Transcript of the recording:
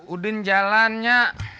udin jalan nya